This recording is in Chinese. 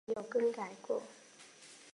此后没有更改过。